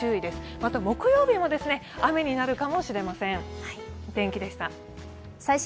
また木曜日も雨になるかもしれません。